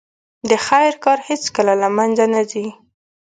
د خیر کار هیڅکله له منځه نه ځي.